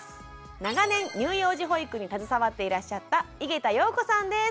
長年乳幼児保育に携わっていらっしゃった井桁容子さんです。